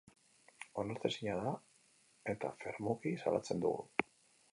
Onartezina da eta fermuki salatzen dugu!